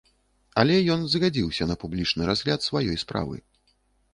Але ён згадзіўся на публічны разгляд сваёй справы.